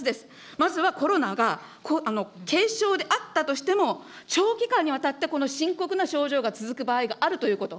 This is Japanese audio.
まずはコロナが軽症であったとしても、長期間にわたってこの深刻な症状が続く場合があるということ。